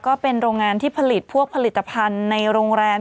ก็เป็นโรงงานที่ผลิตพวกผลิตภัณฑ์ในโรงแรม